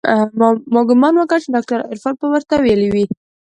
ما ګومان وکړ چې ډاکتر عرفان به ورته ويلي وي.